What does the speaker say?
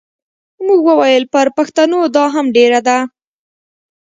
موږ وویل پر پښتنو دا هم ډېره ده.